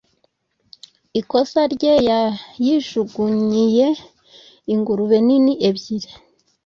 ikosa rye, yayijugunyiye ingurube nini ebyiri.